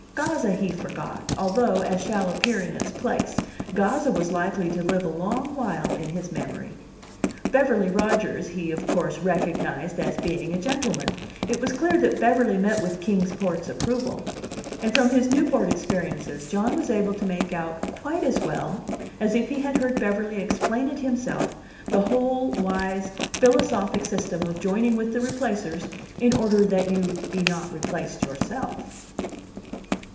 Gazza he forgot, although, as shall appear in its place, Gazza was likely to live a long while in his memory. Beverly Rodgers he, of course, recognized as being a gentleman it was clear that Beverly met with Kings Port's approval and, from his Newport experiences, John was able to make out quite as well as if he had heard Beverly explain it himself the whole wise philosophic system of joining with the Replacers in order that you be not replaced yourself.